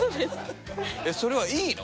それはいいの？